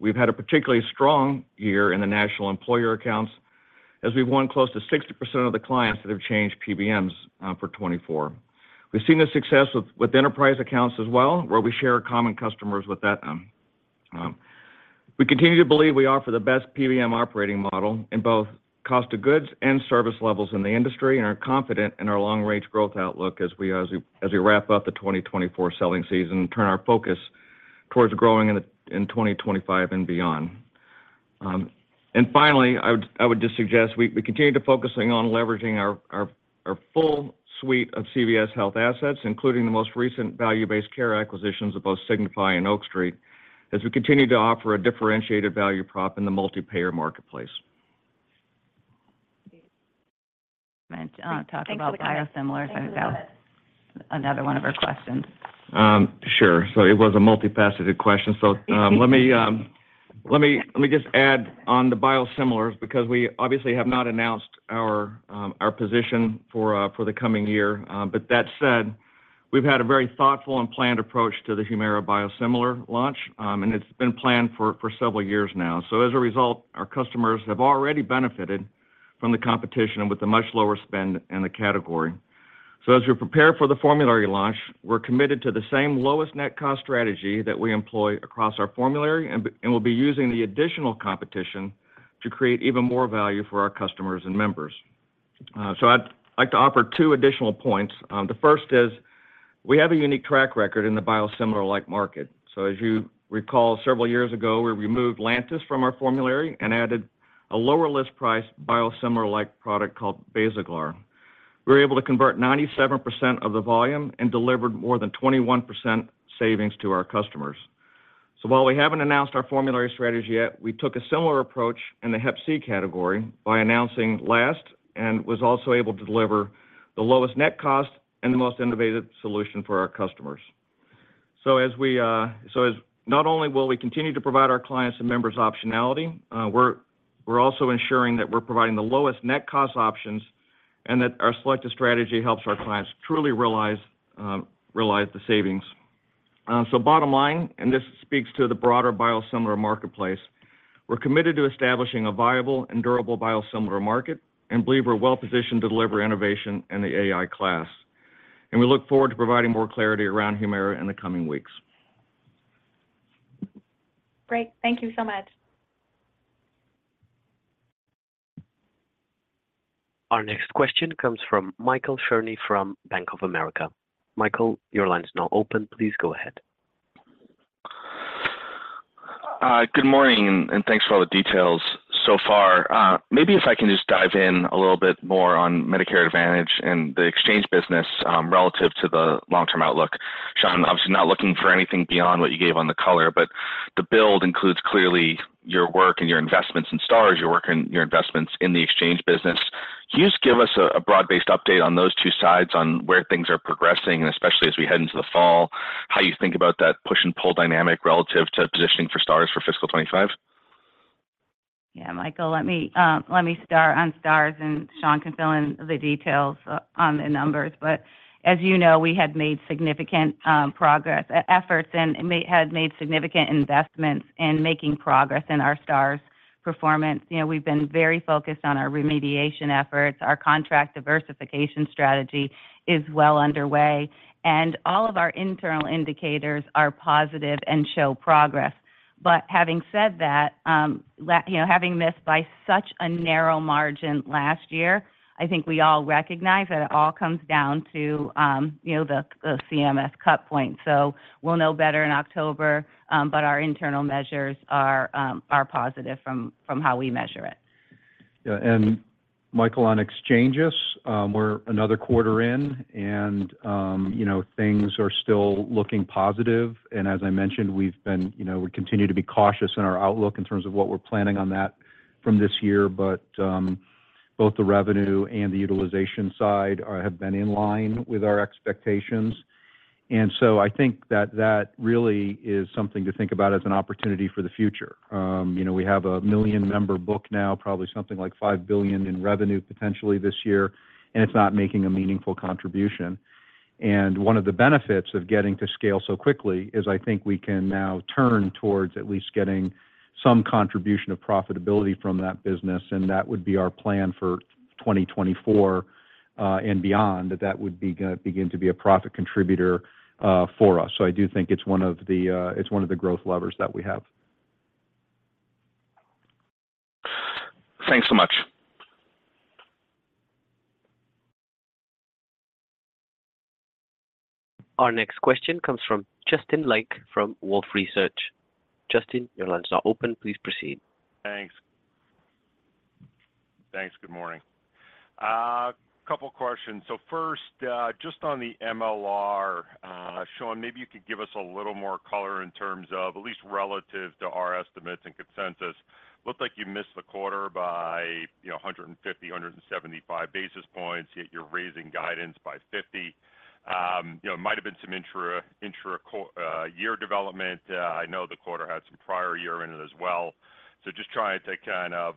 We've had a particularly strong year in the national employer accounts, as we've won close to 60% of the clients that have changed PBMs for 2024. We've seen the success with, with enterprise accounts as well, where we share common customers with Aetna. We continue to believe we offer the best PBM operating model in both cost of goods and service levels in the industry and are confident in our long-range growth outlook as we wrap up the 2024 selling season and turn our focus towards growing in the 2025 and beyond. Finally, I would just suggest we continue to focusing on leveraging our full suite of CVS Health assets, including the most recent value-based care acquisitions of both Signify and Oak Street, as we continue to offer a differentiated value prop in the multi-payer marketplace. Talk about biosimilars. I think that was another one of our questions. Sure. It was a multifaceted question. Let me, let me, let me just add on the biosimilars, because we obviously have not announced our position for the coming year. But that said, we've had a very thoughtful and planned approach to the Humira biosimilar launch, and it's been planned for several years now. As a result, our customers have already benefited from the competition with a much lower spend in the category. As we prepare for the formulary launch, we're committed to the same lowest net cost strategy that we employ across our formulary, and we'll be using the additional competition to create even more value for our customers and members. I'd like to offer two additional points. The first is, we have a unique track record in the biosimilar-like market. As you recall, several years ago, we removed Lantus from our formulary and added a lower list price, biosimilar-like product called Basaglar. We were able to convert 97% of the volume and delivered more than 21% savings to our customers. While we haven't announced our formulary strategy yet, we took a similar approach in the Hepatitis C category by announcing last and was also able to deliver the lowest net cost and the most innovative solution for our customers. As we, so as not only will we continue to provide our clients and members optionality, we're, we're also ensuring that we're providing the lowest net cost options and that our selective strategy helps our clients truly realize, realize the savings. Bottom line, and this speaks to the broader biosimilar marketplace, we're committed to establishing a viable and durable biosimilar market and believe we're well positioned to deliver innovation in the AI class. We look forward to providing more clarity around Humira in the coming weeks. Great. Thank you so much. Our next question comes from Michael Cherny, from Bank of America. Michael, your line is now open. Please go ahead. Good morning, and thanks for all the details so far. Maybe if I can just dive in a little bit more on Medicare Advantage and the exchange business, relative to the long-term outlook. Shawn, obviously, not looking for anything beyond what you gave on the color, but the build includes clearly your work and your investments in Stars, your work and your investments in the exchange business. Can you just give us a broad-based update on those two sides on where things are progressing, and especially as we head into the fall, how you think about that push and pull dynamic relative to positioning for Stars for fiscal 2025? Yeah, Michael, let me, let me start on Stars, and Shawn can fill in the details on the numbers. As you know, we had made significant progress, efforts and had made significant investments in making progress in our Stars performance. You know, we've been very focused on our remediation efforts. Our contract diversification strategy is well underway, and all of our internal indicators are positive and show progress. Having said that, you know, having missed by such a narrow margin last year, I think we all recognize that it all comes down to, you know, the, the CMS cut point. We'll know better in October, but our internal measures are positive from, from how we measure it. Yeah, Michael, on exchanges, we're another quarter in, you know, things are still looking positive. As I mentioned, we've been-- you know, we continue to be cautious in our outlook in terms of what we're planning on that from this year, but both the revenue and the utilization side are, have been in line with our expectations. I think that that really is something to think about as an opportunity for the future. You know, we have a 1 million-member book now, probably something like $5 billion in revenue potentially this year, and it's not making a meaningful contribution. One of the benefits of getting to scale so quickly is I think we can now turn towards at least getting some contribution of profitability from that business, and that would be our plan for 2024 and beyond, that that would be begin to be a profit contributor for us. I do think it's one of the, it's one of the growth levers that we have. Thanks so much. Our next question comes from Justin Lake from Wolfe Research. Justin, your line is now open. Please proceed. Thanks. Thanks, good morning. Couple questions. First, just on the MLR, Shawn, maybe you could give us a little more color in terms of at least relative to our estimates and consensus. Looked like you missed the quarter by 150-175 basis points, yet you're raising guidance by 50. You know, it might have been some intra, intra-quar-- year development. I know the quarter had some prior year in it as well. Just trying to kind of,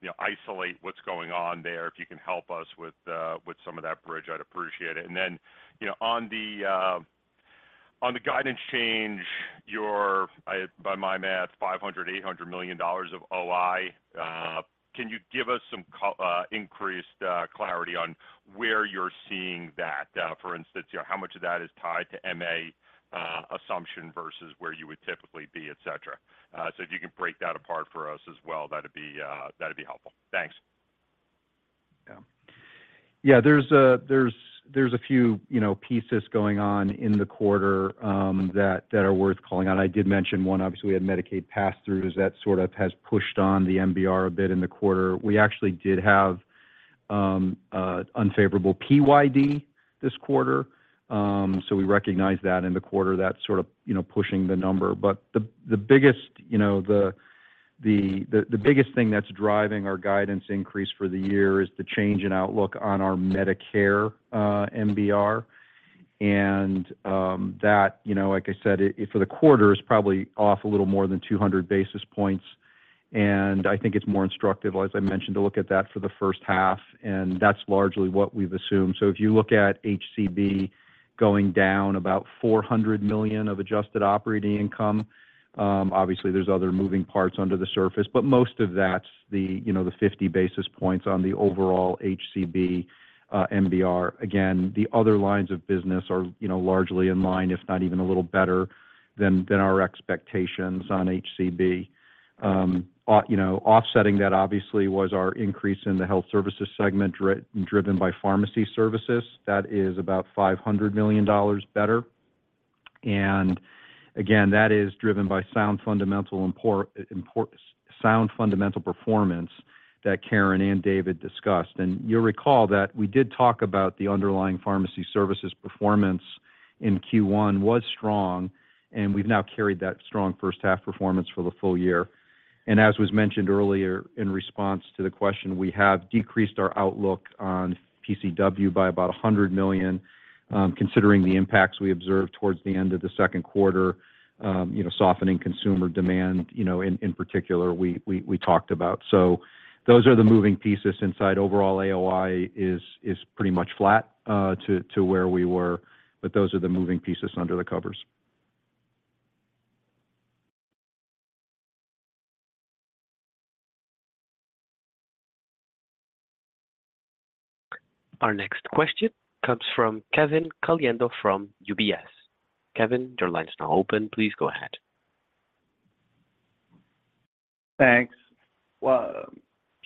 you know, isolate what's going on there. If you can help us with, with some of that bridge, I'd appreciate it. You know, on the, on the guidance change, your, by my math, $500 million-$800 million of OI. Can you give us some increased clarity on where you're seeing that? For instance, you know, how much of that is tied to MA assumption versus where you would typically be, et cetera. If you can break that apart for us as well, that'd be that'd be helpful. Thanks. Yeah. Yeah, there's a few, you know, pieces going on in the quarter that are worth calling out. I did mention one. Obviously, we had Medicaid passthroughs that sort of has pushed on the MBR a bit in the quarter. We actually did have unfavorable PYD this quarter, so we recognize that in the quarter, that's sort of, you know, pushing the number. The biggest, you know, the biggest thing that's driving our guidance increase for the year is the change in outlook on our Medicare MBR. That, you know, like I said, for the quarter, is probably off a little more than 200 basis points, and I think it's more instructive, as I mentioned, to look at that for the first half, and that's largely what we've assumed. If you look at HCB going down about $400 million of Adjusted Operating Income, obviously, there's other moving parts under the surface, but most of that's the, you know, the 50 basis points on the overall HCB MBR. The other lines of business are, you know, largely in line, if not even a little better than, than our expectations on HCB. You know, offsetting that obviously was our increase in the Health Services segment, driven by Pharmacy Services. That is about $500 million better. That is driven by sound, fundamental, sound, fundamental performance that Karen and David discussed. You'll recall that we did talk about the underlying Pharmacy Services performance in Q1 was strong, and we've now carried that strong first half performance for the full year. As was mentioned earlier in response to the question, we have decreased our outlook on PCW by about $100 million, considering the impacts we observed towards the end of the second quarter, you know, softening consumer demand, you know, in, in particular, we, we, we talked about. Those are the moving pieces inside. Overall, AOI is, is pretty much flat to, to where we were, but those are the moving pieces under the covers. Our next question comes from Kevin Caliendo from UBS. Kevin, your line is now open. Please go ahead. Thanks. Well,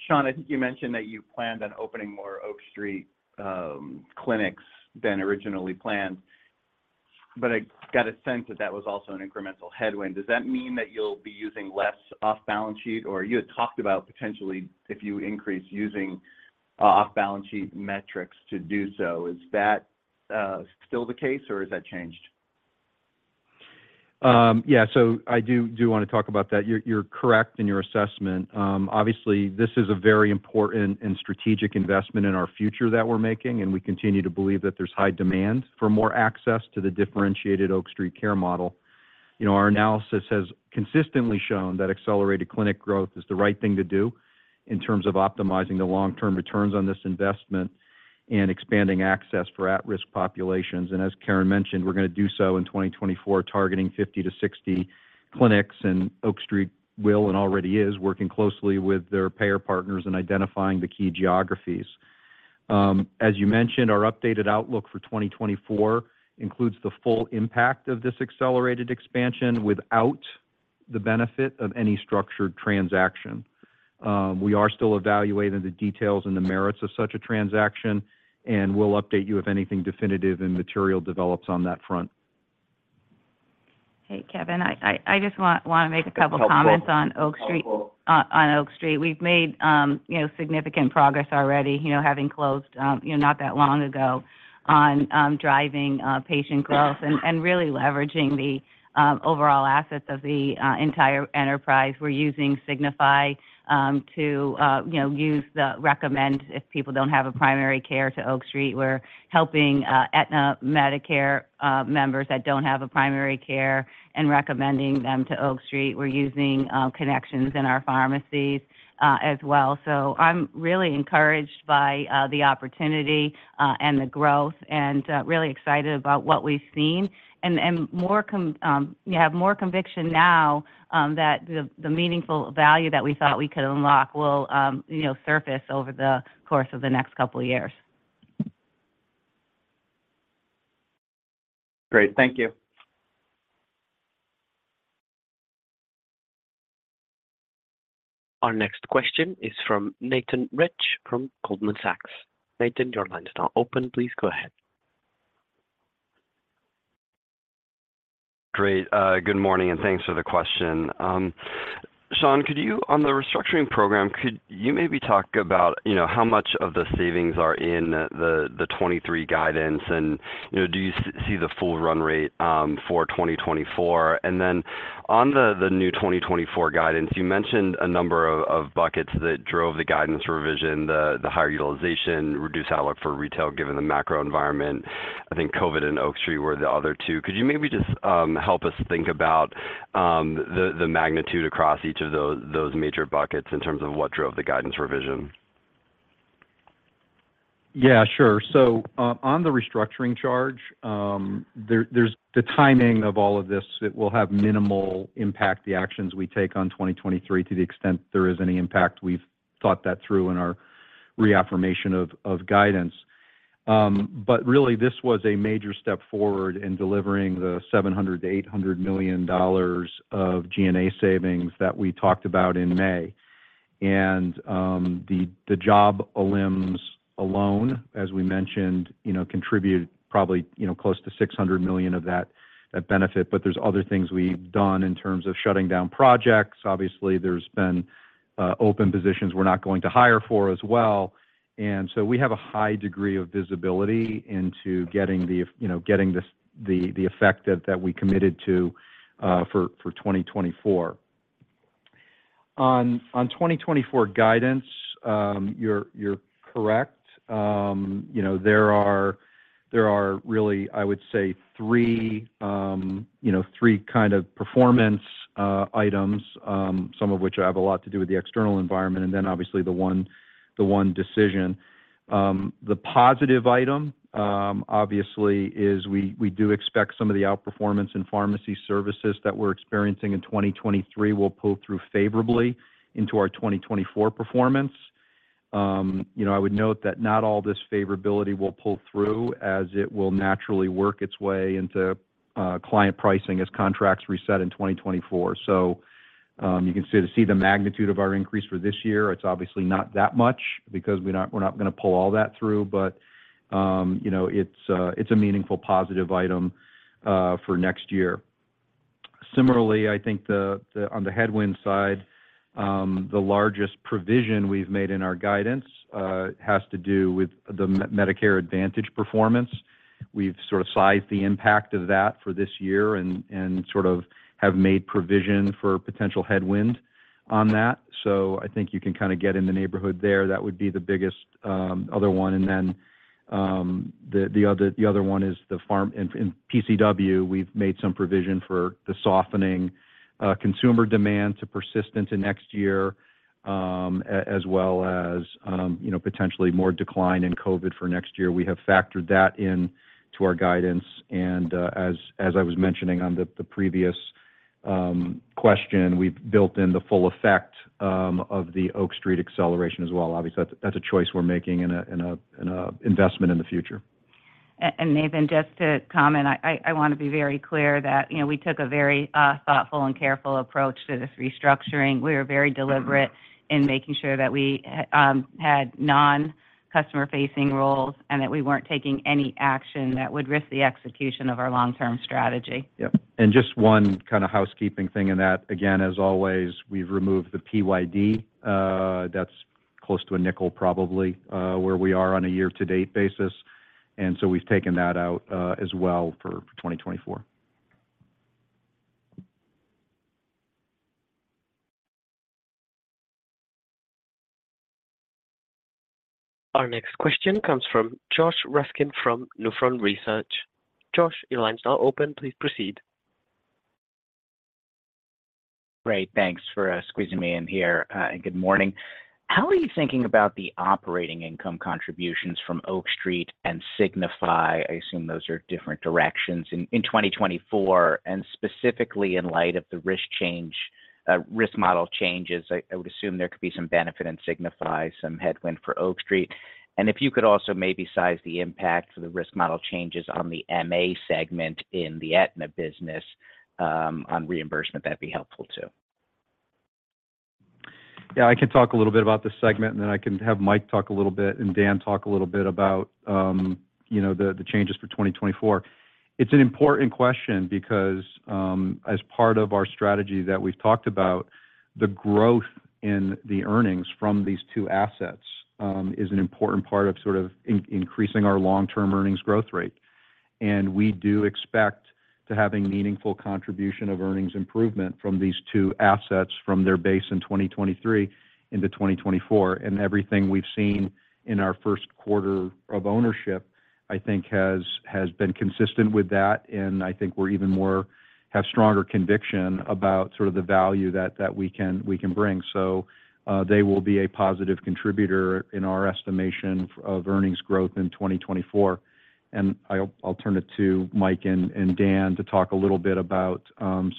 Shawn, I think you mentioned that you planned on opening more Oak Street clinics than originally planned. I got a sense that that was also an incremental headwind. Does that mean that you'll be using less off-balance sheet? You had talked about potentially if you increase using off-balance sheet metrics to do so. Is that still the case, or has that changed? Yeah. I do, do want to talk about that. You're, you're correct in your assessment. Obviously, this is a very important and strategic investment in our future that we're making, and we continue to believe that there's high demand for more access to the differentiated Oak Street care model. You know, our analysis has consistently shown that accelerated clinic growth is the right thing to do in terms of optimizing the long-term returns on this investment and expanding access for at-risk populations. As Karen mentioned, we're gonna do so in 2024, targeting 50-60 clinics, and Oak Street will, and already is, working closely with their payer partners in identifying the key geographies. As you mentioned, our updated outlook for 2024 includes the full impact of this accelerated expansion without the benefit of any structured transaction. We are still evaluating the details and the merits of such a transaction, and we'll update you if anything definitive and material develops on that front. Hey, Kevin, I just want to make a couple comments on Oak Street- helpful. On Oak Street. We've made significant progress already, you know, having closed not that long ago on driving patient growth and really leveraging the overall assets of the entire enterprise. We're using Signify to, you know, use the recommend if people don't have a primary care to Oak Street. We're helping Aetna Medicare members that don't have a primary care and recommending them to Oak Street. We're using connections in our pharmacies as well. I'm really encouraged by the opportunity and the growth and really excited about what we've seen. And more conviction now that the meaningful value that we thought we could unlock will, you know, surface over the course of the next couple of years. Great. Thank you. Our next question is from Nathan Rich from Goldman Sachs. Nathan, your line is now open. Please go ahead. Great. Good morning, thanks for the question. Shawn, could you, on the restructuring program, could you maybe talk about, you know, how much of the savings are in the 2023 guidance, and, you know, do you see the full run rate for 2024? Then on the new 2024 guidance, you mentioned a number of buckets that drove the guidance revision, the higher utilization, reduced outlook for retail, given the macro environment. I think COVID and Oak Street were the other two. Could you maybe just help us think about the magnitude across each of those major buckets in terms of what drove the guidance revision? Yeah, sure. On the restructuring charge, there, there's the timing of all of this, it will have minimal impact, the actions we take on 2023, to the extent there is any impact. We've thought that through in our reaffirmation of, of guidance. Really, this was a major step forward in delivering the $700 million-$800 million of G&A savings that we talked about in May. The, the job elims alone, as we mentioned, you know, contributed probably, you know, close to $600 million of that, that benefit, but there's other things we've done in terms of shutting down projects. Obviously, there's been open positions we're not going to hire for as well. We have a high degree of visibility into getting the, you know, getting this, the, the effect that, that we committed to, for 2024. On, on 2024 guidance, you're, you're correct. You know, there are, there are really, I would say, three, you know, three kind of performance items, some of which have a lot to do with the external environment, and then obviously the one, the one decision. The positive item, obviously, is we, we do expect some of the outperformance in Pharmacy Services that we're experiencing in 2023 will pull through favorably into our 2024 performance. You know, I would note that not all this favorability will pull through, as it will naturally work its way into client pricing as contracts reset in 2024. You can see, to see the magnitude of our increase for this year, it's obviously not that much because we're not, we're not gonna pull all that through, but, you know, it's a meaningful positive item for next year. Similarly, I think the, the, on the headwind side, the largest provision we've made in our guidance has to do with the Medicare Advantage performance. We've sort of sized the impact of that for this year and, and sort of have made provision for potential headwind on that. I think you can kind of get in the neighborhood there. That would be the biggest other one, and then, the other, the other one is in PCW, we've made some provision for the softening consumer demand to persistent to next year, as well as, you know, potentially more decline in COVID for next year. We have factored that in to our guidance, and, as, as I was mentioning on the previous question, we've built in the full effect of the Oak Street acceleration as well. Obviously, that's, that's a choice we're making and a, and a, and a investment in the future. Nathan, just to comment, I, I, I wanna be very clear that, you know, we took a very thoughtful and careful approach to this restructuring. We were very deliberate in making sure that we had non-customer-facing roles and that we weren't taking any action that would risk the execution of our long-term strategy. Yep. Just one kind of housekeeping thing in that, again, as always, we've removed the PYD. That's close to $0.05, probably, where we are on a year-to-date basis, and so we've taken that out as well for 2024. Our next question comes from Josh Raskin from Nephron Research. Josh, your line's now open. Please proceed. Great, thanks for squeezing me in here. Good morning. How are you thinking about the operating income contributions from Oak Street and Signify? I assume those are different directions. In 2024, and specifically in light of the risk change, risk model changes, I, I would assume there could be some benefit in Signify, some headwind for Oak Street. If you could also maybe size the impact for the risk model changes on the MA segment in the Aetna business, on reimbursement, that'd be helpful too. Yeah, I can talk a little bit about the segment, and then I can have Mike talk a little and Dan talk a little bit about, you know, the, the changes for 2024. It's an important question because, as part of our strategy that we've talked about, the growth in the earnings from these two assets, is an important part of sort of inc-increasing our long-term earnings growth rate. We do expect to have a meaningful contribution of earnings improvement from these two assets from their base in 2023 into 2024. Everything we've seen in our first quarter of ownership, I think, has, has been consistent with that, and I think we're even more-- have stronger conviction about sort of the value that, that we can, we can bring. They will be a positive contributor in our estimation of earnings growth in 2024. I'll, I'll turn it to Mike and, and Dan to talk a little bit about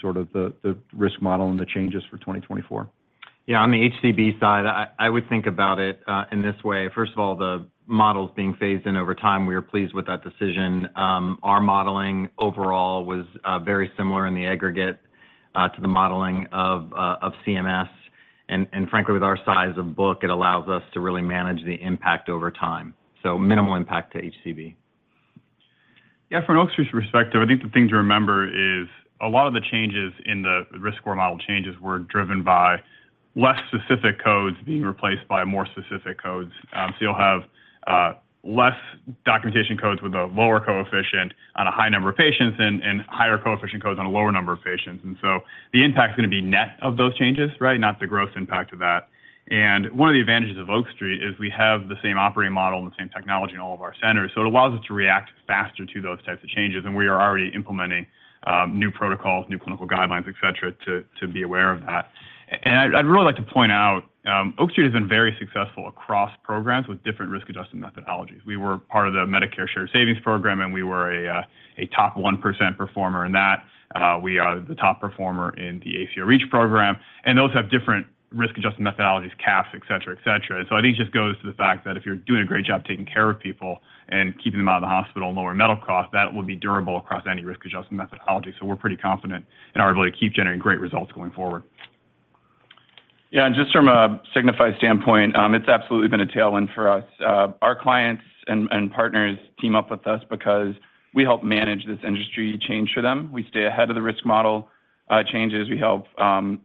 sort of the, the risk model and the changes for 2024. Yeah, on the HCB side, I, I would think about it, in this way. First of all, the models being phased in over time, we are pleased with that decision. Our modeling overall was very similar in the aggregate, to the modeling of CMS. Frankly, with our size of book, it allows us to really manage the impact over time. Minimal impact to HCB. Yeah, from an Oak Street perspective, I think the thing to remember is a lot of the changes in the risk score model changes were driven by less specific codes being replaced by more specific codes. So you'll have less documentation codes with a lower coefficient on a high number of patients and, and higher coefficient codes on a lower number of patients. So the impact is gonna be net of those changes, right? Not the gross impact of that. One of the advantages of Oak Street is we have the same operating model and the same technology in all of our centers, so it allows us to react faster to those types of changes, and we are already implementing new protocols, new clinical guidelines, et cetera, to, to be aware of that. I'd, I'd really like to point out, Oak Street has been very successful across programs with different risk adjustment methodologies. We were part of the Medicare Shared Savings Program, and we were a, a top 1% performer in that. We are the top performer in the ACO REACH program, and those have different risk adjustment methodologies, CAF, et cetera, et cetera. I think it just goes to the fact that if you're doing a great job taking care of people and keeping them out of the hospital and lower medical costs, that would be durable across any risk adjustment methodology. We're pretty confident in our ability to keep generating great results going forward. Yeah, just from a Signify standpoint, it's absolutely been a tailwind for us. Our clients and partners team up with us because we help manage this industry change for them. We stay ahead of the risk model changes. We help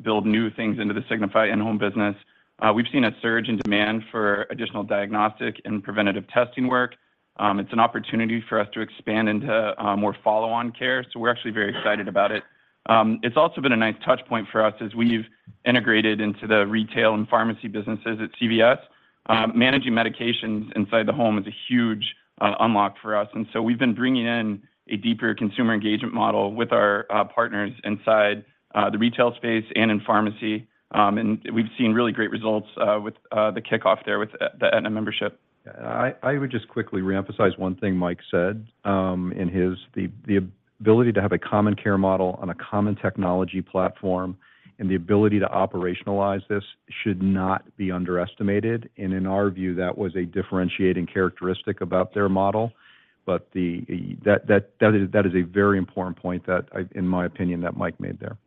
build new things into the Signify in-home business. We've seen a surge in demand for additional diagnostic and preventative testing work. It's an opportunity for us to expand into more follow-on care, so we're actually very excited about it. It's also been a nice touch point for us as we've integrated into the Retail and Pharmacy businesses at CVS. Managing medications inside the home is a huge unlock for us, and so we've been bringing in a deeper consumer engagement model with our partners inside the retail space and in pharmacy. We've seen really great results with the kickoff there with the Aetna membership. I, I would just quickly reemphasize one thing Mike said. The ability to have a common care model on a common technology platform and the ability to operationalize this should not be underestimated. In our view, that was a differentiating characteristic about their model, but that is a very important point that, in my opinion, that Mike made there.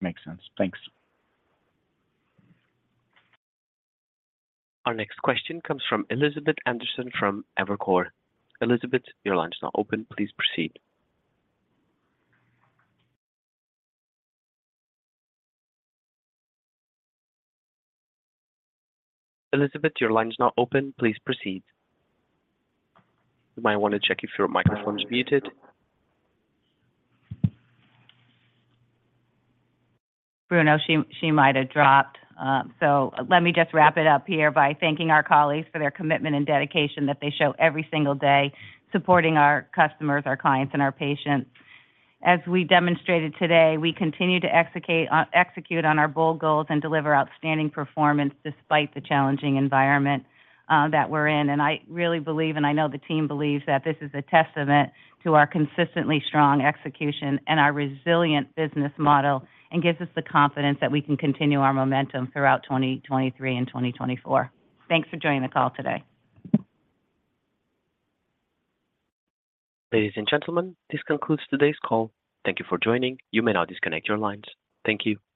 Makes sense. Thanks. Our next question comes from Elizabeth Anderson from Evercore. Elizabeth, your line is now open. Please proceed. Elizabeth, your line is now open. Please proceed. You might want to check if your microphone is muted. Bruno, she, she might have dropped, let me just wrap it up here by thanking our colleagues for their commitment and dedication that they show every single day, supporting our customers, our clients, and our patients. As we demonstrated today, we continue to execute, execute on our bold goals and deliver outstanding performance despite the challenging environment that we're in. I really believe, and I know the team believes, that this is a testament to our consistently strong execution and our Resilient business model and gives us the confidence that we can continue our momentum throughout 2023 and 2024. Thanks for joining the call today. Ladies and gentlemen, this concludes today's call. Thank you for joining. You may now disconnect your lines. Thank you.